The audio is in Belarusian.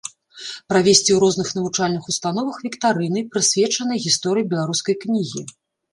Правесці ў розных навучальных установах віктарыны, прысвечаныя гісторыі беларускай кнігі.